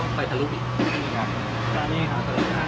อ่ะรถเพียร้ากินข้างหลังของเรา